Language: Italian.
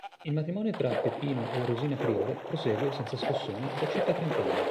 Il matrimonio tra Peppino e Rosina Priore prosegue, senza scossoni, da circa trent'anni.